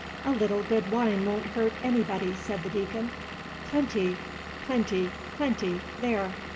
"A little good wine won't hurt anybody," said the Deacon. "Plenty, plenty, plenty. There!"